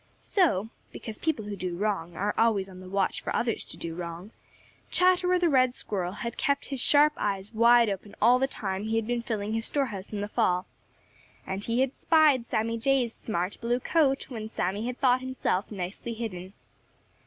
So, because people who do wrong always are on the watch for others to do wrong, Chatterer the Red Squirrel had kept his sharp eyes wide open all the time he had been filling his store house in the fall, and he had spied Sammy Jay's smart blue coat when Sammy had thought himself nicely hidden.